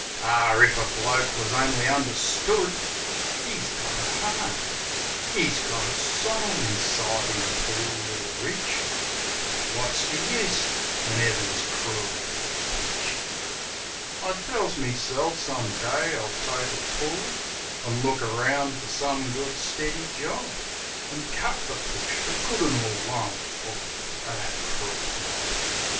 ... Ar, if a bloke wus only understood! 'E's got a 'eart: 'E's got a soul inside 'im, poor or rich. But wot's the use, when 'Eaven's crool'd 'is pitch? I tells meself some day I'll take a pull An' look eround fer some good, stiddy job. An' cut the push fer good an' all; I'm full Of that crook mob